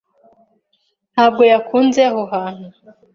Ntabwo yakunze aho hantu.